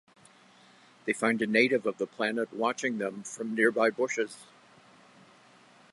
They find a native of the planet watching them from nearby bushes.